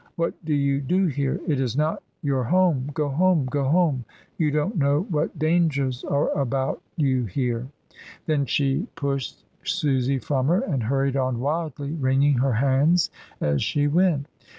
What do you do here? It is not your home. Go home, go home; you don't know what dangers are about you here." Then she pushed IN AN EMPTY APARTMENT. 257 Susy from her, and hurried on wildly, wringing her hands as she went.